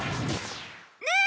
ねえ！